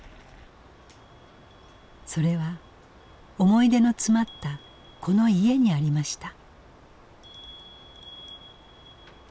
それは思い出の詰まったこの家にありました。